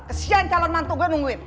kesian calon mantu gue nungguin